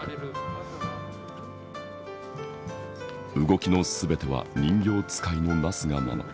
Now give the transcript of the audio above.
動きの全ては人形遣いのなすがまま。